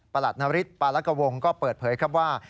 หลัดนฤทธิปารกวงก็เปิดเผยครับว่า